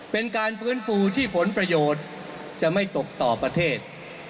เป็นการฟื้นฟูที่ผลประโยชน์จะไม่ตกต่อประเทศ